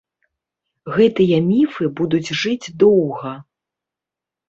Гэтыя міфы будуць жыць доўга.